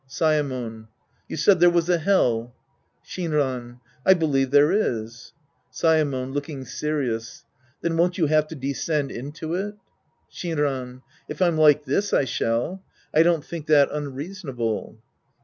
Saemon. You said there was a Hell. Shinran. I believe there is. Saemon {looking serious). Then won't you have to descend into it ? Shinran. If I'm like this, I shall. I don't think that unreasonable.